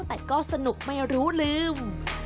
แต่ก็สนุกไม่รู้ลืม